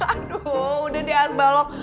aduh udah deh es balok